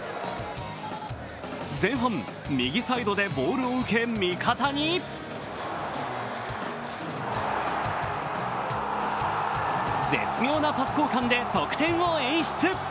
前半、右サイドでボールを受け味方に絶妙なパス交換で得点を演出。